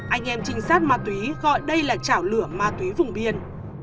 anh em trinh sát ma túy gọi đây là chảo lửa ma túy vùng biên